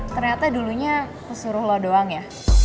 ternyata dulunya kesuruh lo doang ya